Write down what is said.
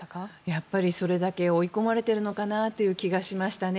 やっぱりそれだけ追い込まれているのかなという気がしましたね。